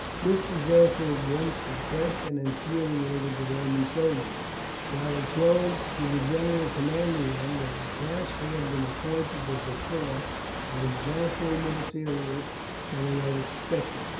This disaster at once depressed and infuriated the Roman soldiers, while it showed to the general commanding them that the task he had been appointed to perform was vastly more serious than he had expected.